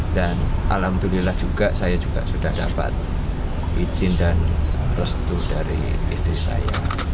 dan alhamdulillah juga saya sudah dapat izin dan restu dari istri saya